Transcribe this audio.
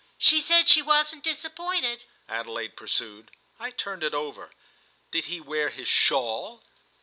"She said she wasn't disappointed," Adelaide pursued. I turned it over. "Did he wear his shawl?"